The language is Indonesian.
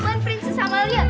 aman prinses amalia